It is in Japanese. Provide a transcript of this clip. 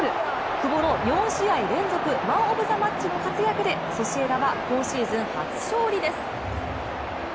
久保の４試合連続、マン・オブ・ザ・マッチの活躍でソシエダが今シーズン、初勝利です。